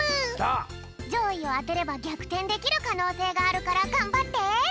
じょういをあてればぎゃくてんできるかのうせいがあるからがんばって！